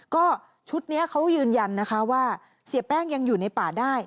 ก็ชุดนี้เขายืนยันนะคะว่าเสียแป้งยังอยู่ในป่าได้